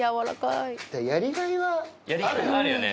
やりがいはあるよね。